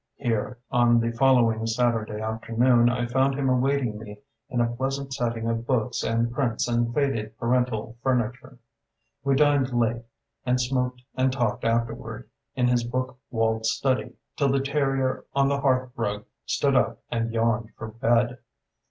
Here, on the following Saturday afternoon I found him awaiting me in a pleasant setting of books and prints and faded parental furniture. We dined late, and smoked and talked afterward in his book walled study till the terrier on the hearth rug stood up and yawned for bed.